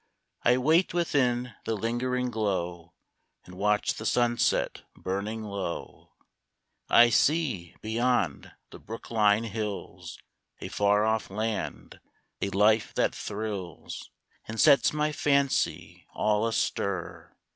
I wait within the lingering glow,' And watch the sunset burning low. I see, beyond the Brookline hills, A far off land — a life that thrills And sets my fancy all astir.